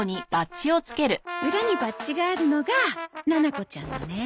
裏にバッジがあるのがななこちゃんのね。